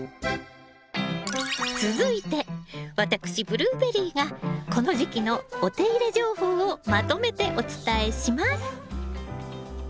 続いて私ブルーベリーがこの時期のお手入れ情報をまとめてお伝えします。